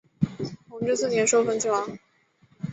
弘治四年受封泾王。